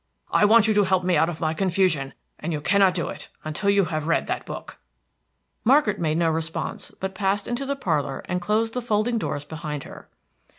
I want you to help me out of my confusion, and you cannot do it until you have read that book." Margaret made no response, but passed into the parlor and closed the folding doors behind her.